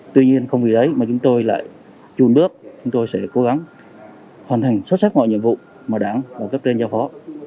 tuy nhiên không vì đấy mà chúng tôi lại chùn bước chúng tôi sẽ cố gắng hoàn thành xuất sắc mọi nhiệm vụ mà đáng cấp trên giao phó